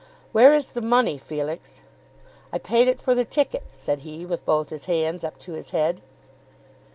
"Where is the money, Felix?" "I paid it for the ticket," said he, with both his hands up to his head.